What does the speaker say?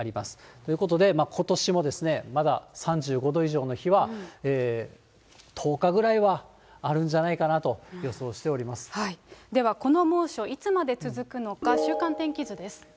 ということで、ことしもまだ３５度以上の日が１０日ぐらいはあるんじゃないかなでは、この猛暑、いつまで続くのか、週間天気図です。